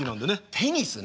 テニスね。